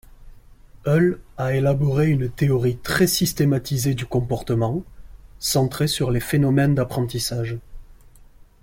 Hull a élaboré une théorie très systématisée du comportement, centrée sur les phénomènes d'apprentissage.